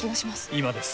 今です。